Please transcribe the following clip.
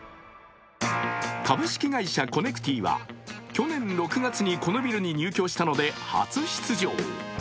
株式会社コネクティは去年６月にこのビルに入居したので初出場。